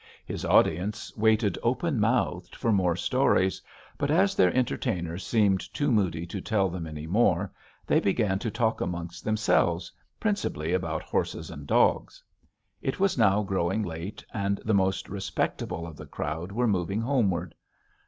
His audience waited open mouthed for more stories, but as their entertainer seemed too moody to tell them any more, they began to talk amongst themselves, principally about horses and dogs. It was now growing late, and the most respectable of the crowd were moving homeward.